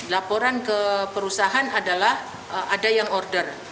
laporan ke perusahaan adalah ada yang order